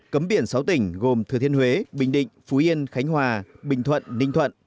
cấm biển sáu tỉnh gồm thừa thiên huế bình định phú yên khánh hòa bình thuận ninh thuận